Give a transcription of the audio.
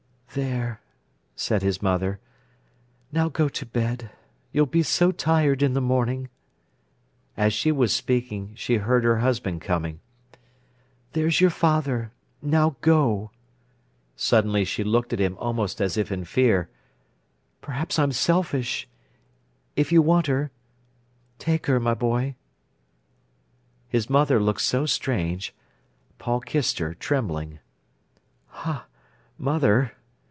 "There," said his mother, "now go to bed. You'll be so tired in the morning." As she was speaking she heard her husband coming. "There's your father—now go." Suddenly she looked at him almost as if in fear. "Perhaps I'm selfish. If you want her, take her, my boy." His mother looked so strange, Paul kissed her, trembling. "Ha—mother!"